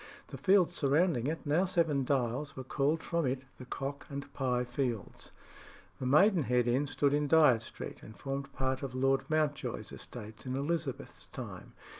The fields surrounding it, now Seven Dials, were called from it the Cock and Pye Fields. The Maidenhead Inn stood in Dyot Street, and formed part of Lord Mountjoy's estates in Elizabeth's time.